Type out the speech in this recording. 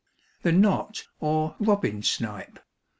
THE KNOT OR ROBIN SNIPE.